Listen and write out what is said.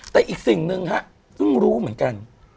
แต่อีกสิ่งหนึ่งฮะเพิ่งรู้เหมือนกัน